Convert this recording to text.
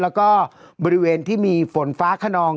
แล้วก็บริเวณที่มีฝนฟ้าขนอง